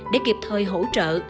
để kịp thời hỗ trợ